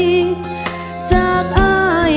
ขอบคุณครับ